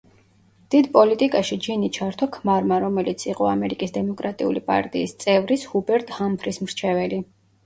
დიდ პოლიტიკაში ჯინი ჩართო ქმარმა, რომელიც იყო ამერიკის დემოკრატიული პარტიის წევრის, ჰუბერტ ჰამფრის მრჩეველი.